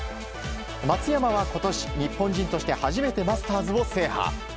松山は今年、日本人として初めてマスターズを制覇。